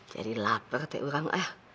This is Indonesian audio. jadi lapar teh orang